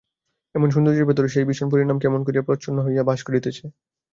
এমন সৌন্দর্যের ভিতরে সেই ভীষণ পরিণাম কেমন করিয়া প্রচ্ছন্ন হইয়া বাস করিতেছে।